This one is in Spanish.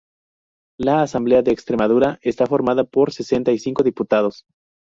La Asamblea de Extremadura está formada por sesenta y cinco diputados.